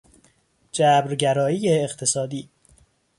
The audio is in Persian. جبرگرایی اقتصادی